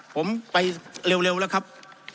ผมไปเร็วแล้วครับ